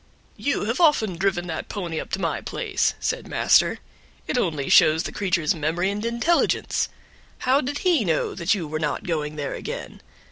"You have often driven that pony up to my place," said master; "it only shows the creature's memory and intelligence; how did he know that you were not going there again?